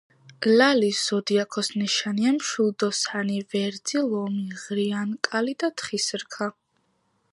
ლალის ზოდიაქოს ნიშანია მშვილდოსანი, ვერძი, ლომი, ღრიანკალი და თხის რქა.